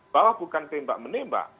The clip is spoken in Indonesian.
bahwa bukan tembak menembak